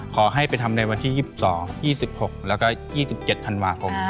ขอให้ไปทำในวันที่๒๒๒๖แล้วก็๒๗ธันวาคม